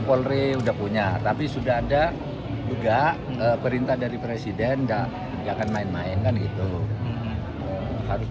polri udah punya tapi sudah ada juga perintah dari presiden dan gak akan main main kan gitu harus